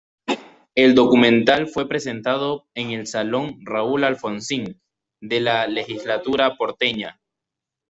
El documental fue presentado en el Salón Raúl Alfonsín de la Legislatura porteña.